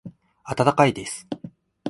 温かいです。